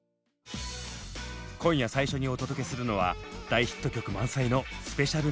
今夜最初にお届けするのは大ヒット曲満載のスペシャルメドレー。